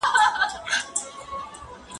هغه څوک چي د کتابتون د کار مرسته کوي منظم وي!.